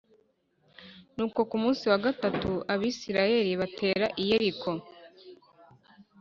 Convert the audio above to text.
Nuko ku munsi wa gatatu Abisirayeli batera I yeriko